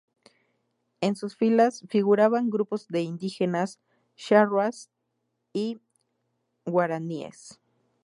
En sus filas figuraban grupos de indígenas charrúas y guaraníes.